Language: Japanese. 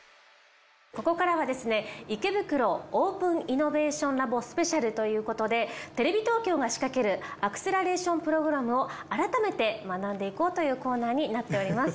ここからはですね池袋オープンイノベーションラボスペシャルということでテレビ東京が仕掛けるアクセラレーションプログラムを改めて学んでいこうというコーナーになっております。